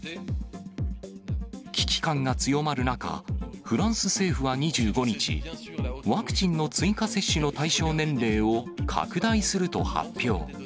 危機感が強まる中、フランス政府は２５日、ワクチンの追加接種の対象年齢を、拡大すると発表。